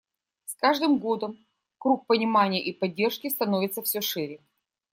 С каждым годом круг понимания и поддержки становится все шире.